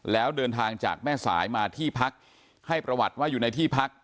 แล้วเดินทางจากแม่สายมาที่พักให้ประวัติว่าอยู่ในที่พัก